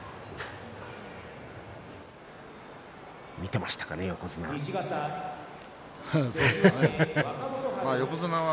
見ていましたかね、横綱は。